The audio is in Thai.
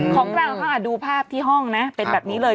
ของเราดูภาพที่ห้องนะเป็นแบบนี้เลย